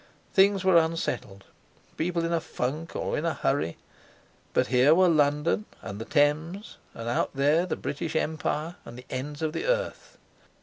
Things were unsettled, people in a funk or in a hurry, but here were London and the Thames, and out there the British Empire, and the ends of the earth.